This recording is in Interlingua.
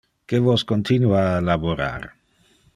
Que vos continua a laborar.